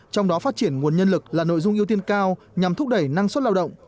trong đó phát triển nguồn nhân lực là nội dung ưu tiên cao nhằm thúc đẩy năng suất lao động